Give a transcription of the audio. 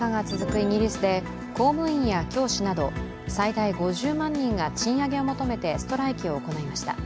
イギリスで公務員や教師など最大５０万人が賃上げを求めてストライキを行いました。